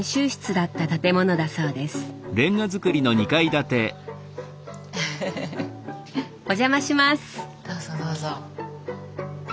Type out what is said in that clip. どうぞどうぞ。